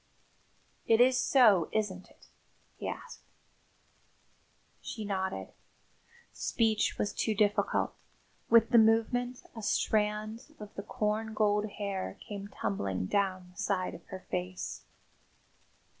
"It is so, isn't it?" he asked. She nodded. Speech was too difficult. With the movement a strand of the corn gold hair came tumbling down the side of her face.